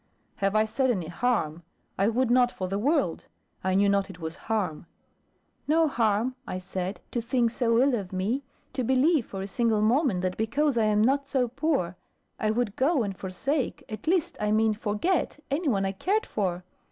"Have I said any harm I would not for the world I knew not it was harm." "No harm," I said, "to think so ill of me! To believe, for a single moment, that because I am not so poor, I would go and forsake at least, I mean, forget any one I cared for!"